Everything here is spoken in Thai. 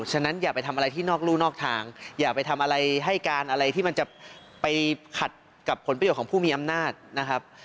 ฉะนั้นอย่าไปทำอะไรที่นอกรู่นอกทางอย่าไปทำอะไรให้การอะไรที่มันจะไปขัดกับผลประโยชน์ของผู้มีอำนาจนะครับ